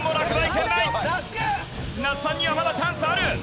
那須さんにはまだチャンスある！